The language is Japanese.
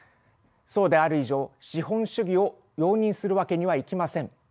そうである以上資本主義を容認するわけにはいきません。